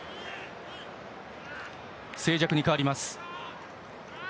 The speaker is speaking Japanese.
静寂に変わります。